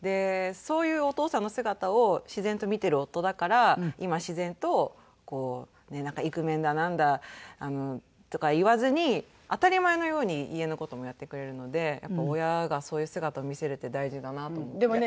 そういうお義父さんの姿を自然と見てる夫だから今自然とイクメンだなんだとか言わずに当たり前のように家の事もやってくれるので親がそういう姿を見せるって大事だなと思って。